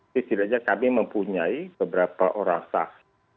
jadi kita mempunyai beberapa orang saksi